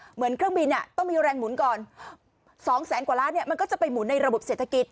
เหมือนเครื่องบินต้องมีแรงหมุนก่อน๒แสนกว่าล้านเนี่ยมันก็จะไปหมุนในระบบเศรษฐกิจ